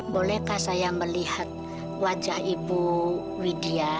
bolehkah saya melihat wajah ibu widya